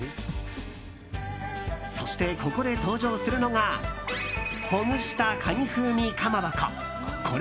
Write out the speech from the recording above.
そして、ここで登場するのがほぐしたカニ風味かまぼこ。